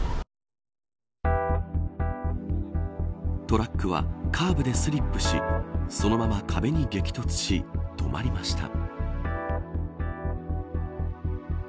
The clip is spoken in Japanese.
トラックはカーブでスリップしそのまま壁に激突し止まりました。